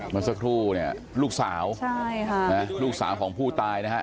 เมื่อสักครู่เนี่ยลูกสาวใช่ค่ะลูกสาวของผู้ตายนะฮะ